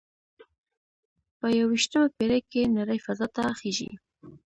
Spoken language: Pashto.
په یوویشتمه پیړۍ کې نړۍ فضا ته خیږي